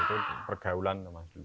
itu pergaulan mas dulu